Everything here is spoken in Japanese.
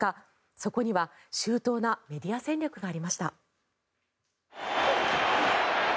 そこには周到なメディア戦略がありました。